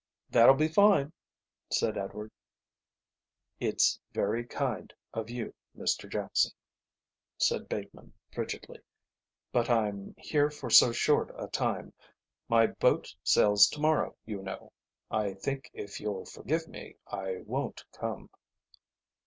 "That'll be fine," said Edward. "It's very kind of you, Mr Jackson," said Bateman, frigidly, "but I'm here for so short a time; my boat sails to morrow, you know; I think if you'll forgive me, I won't come."